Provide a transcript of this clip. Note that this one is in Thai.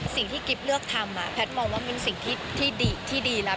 สิ่งที่กิ๊บเลือกทำแพทย์มองว่าเป็นสิ่งที่ดีแล้ว